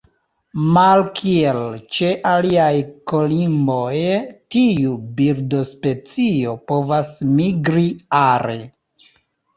Malkiel ĉe aliaj kolimboj, tiu birdospecio povas migri are.